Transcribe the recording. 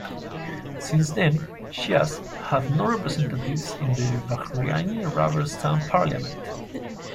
Since then, Shias have no representatives in the Bahraini rubber stamp parliament.